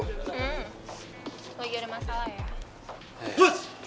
lagi ada masalah ya